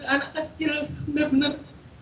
anak kecil bener bener